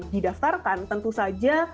didaftarkan tentu saja